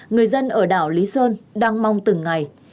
người dân ở đảo lý sơn đang mong từng ngày